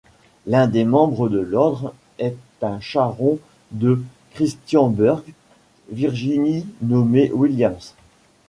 L'un des membres de l'Ordre est un charron de Christiansburg, Virginie nommé Williams.